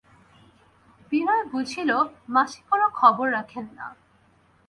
বিনয় বুঝিল মাসি কোনো খবর রাখেন না।